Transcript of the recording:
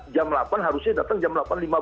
jam delapan harusnya datang jam delapan lima belas